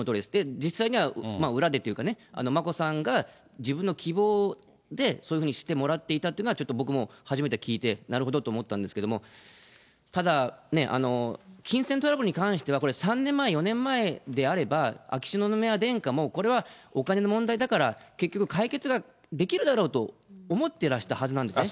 実際には裏でっていうかね、眞子さんが、自分の希望で、そういうふうにしてもらっていたっていうのは、ちょっと僕も初めて聞いて、なるほどと思ったんですけども、ただ、金銭トラブルに関しては、これ、３年前、４年前であれば、秋篠宮殿下もこれはお金の問題だから、結局、解決ができるだろうと思ってらしたはずなんですね。